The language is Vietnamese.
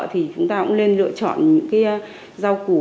thì chúng ta cũng nên lựa chọn những cái rau củ